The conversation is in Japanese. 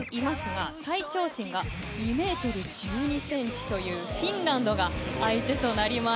最長身が２ｍ１２ｃｍというフィンランドが相手となります。